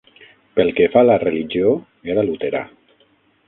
Pel que fa a la religió, era luterà.